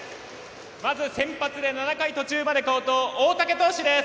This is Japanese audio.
まず、先発で７回途中まで好投大竹投手です。